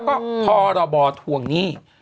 ก็พอเราบ่อถวงหนี้